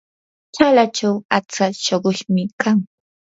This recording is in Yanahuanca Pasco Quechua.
chalachaw atsa shuqushmi kan.